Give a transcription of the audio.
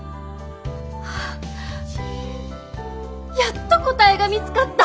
やっと答えが見つかった！